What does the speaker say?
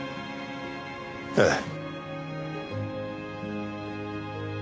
ええ。